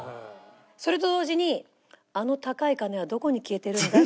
それと同時にあの高い金はどこに消えてるんだ？